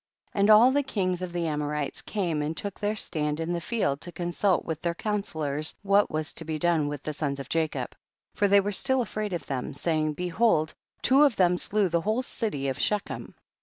And all the kings of the Amo rites came and took their stand in the field to consult with their coun sellors what was to be done with the sons of Jacob, for they were still afraid of them, saying, behold, two of them slew the whole of the city of Shechem.